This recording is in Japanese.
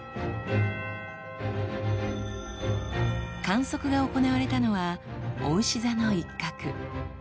観測が行われたのはおうし座の一角。